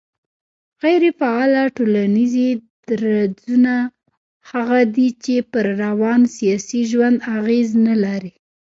غيري فعاله ټولنيز درځونه هغه دي چي پر روان سياسي ژوند اغېز نه لري